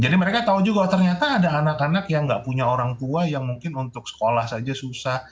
jadi mereka tahu juga ternyata ada anak anak yang nggak punya orang tua yang mungkin untuk sekolah saja susah